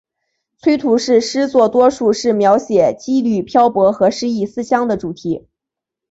崔涂是诗作多数是描写羁旅漂泊和失意思乡的主题。